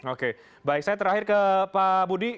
oke baik saya terakhir ke pak budi